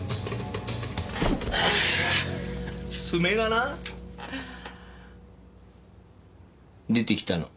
爪がな出てきたの。